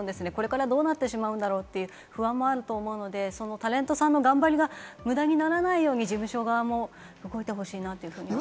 これからどうなってしまうんだろうという不安もあると思うので、タレントさんの頑張りが無駄にならないように事務所側も動いてほしいなと思います。